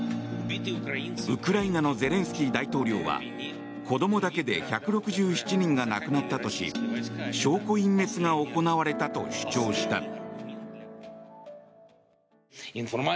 ウクライナのゼレンスキー大統領は子どもだけで１６７人が亡くなったとし証拠隠滅が行われたと主張した。